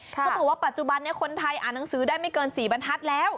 เขาบอกว่าปัจจุบันนี้คนไทยอ่านหนังสือได้ไม่เกิน๔บรรทัศน์แล้ว